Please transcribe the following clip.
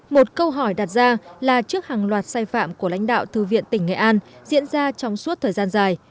một câu hỏi đặt ra là trước hàng loạt sai phạm của lãnh đạo thư viện tỉnh nghệ an diễn ra trong suốt thời gian dài